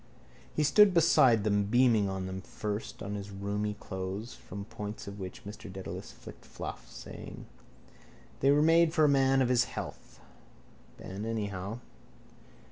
He stood beside them beaming, on them first and on his roomy clothes from points of which Mr Dedalus flicked fluff, saying: —They were made for a man in his health, Ben, anyhow.